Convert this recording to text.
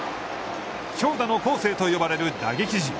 強打の光星と呼ばれる打撃陣。